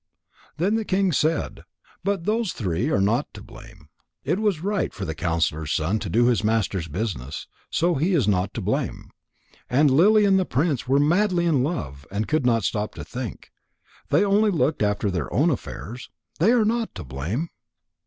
Then the king said: "But those three are not to blame. It was right for the counsellor's son to do his master's business. So he is not to blame. And Lily and the prince were madly in love and could not stop to think. They only looked after their own affairs. They are not to blame.